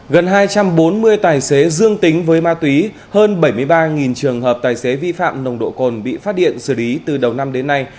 gần hai trăm bốn mươi tài xế dương tính với ma túy hơn bảy mươi ba trường hợp tài xế vi phạm nồng độ cồn bị phát điện xử lý từ đầu năm đến nay